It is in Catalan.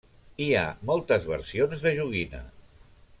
Hi ha moltes versions de joguina.